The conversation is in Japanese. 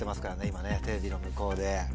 今テレビの向こうで。